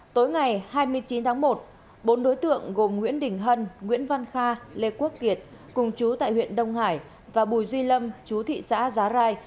tối ngày hai mươi chín tháng một bốn đối tượng gồm nguyễn đình hân nguyễn văn kha lê quốc kiệt cùng chú tại huyện đông hải và bùi duy lâm chú thị xã giá rai